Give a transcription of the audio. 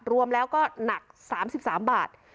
รวมแล้วก็หนัก๓๓บาท